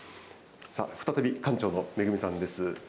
さあ、再び、館長の愛さんです。